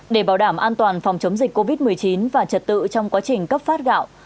để bảo đảm an toàn phòng chống dịch covid một mươi chín và trật tự trong quá trình cấp phát gạo